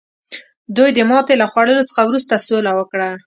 دوی د ماتې له خوړلو څخه وروسته سوله وکړه.